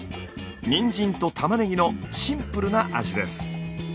にんじんと玉ねぎのシンプルな味です。